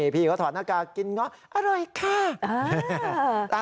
พี่เขาถอดหน้ากากกินเงาะอร่อยค่ะ